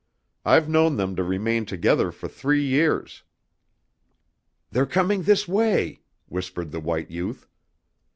I've known them to remain together for three years." "They're coming this way!" whispered the white youth.